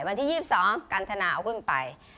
วันที่๒๒กันธนาเอาขึ้นไป